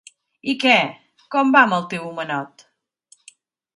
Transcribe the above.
I què, com va amb el teu homenot?